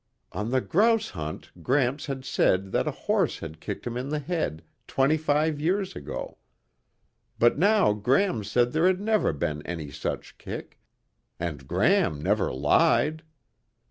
On the grouse hunt Gramps had said that a horse had kicked him in the head twenty five years ago. But now Gram said there had never been any such kick, and Gram never lied.